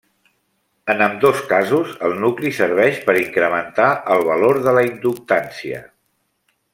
En ambdós casos, el nucli serveix per incrementar el valor de la inductància.